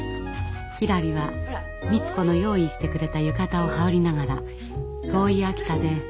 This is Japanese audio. ひらりはみつ子の用意してくれた浴衣を羽織りながら遠い秋田で何も知らずにいました。